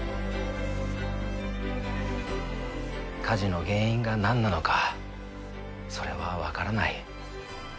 火事の原因がなんなのかそれはわからない。